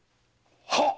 はっ。